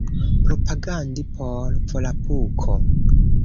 Propagandi por Volapuko?